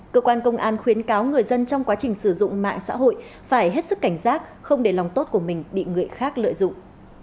cơ quan công an khuyến cáo người dân trong quá trình sử dụng mạng xã hội phải hết sức cảnh giác không để lòng tốt của mình bị người khác lợi dụng